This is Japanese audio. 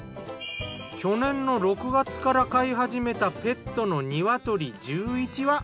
去年の６月から飼い始めたペットのニワトリ１１羽。